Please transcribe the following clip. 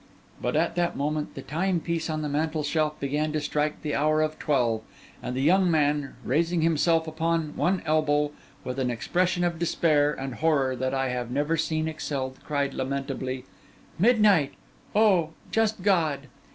But at that moment the timepiece on the mantel shelf began to strike the hour of twelve; and the young man, raising himself upon one elbow, with an expression of despair and horror that I have never seen excelled, cried lamentably, 'Midnight! oh, just God!